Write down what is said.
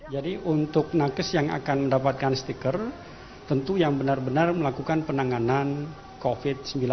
jadi untuk nakis yang akan mendapatkan stiker tentu yang benar benar melakukan penanganan covid sembilan belas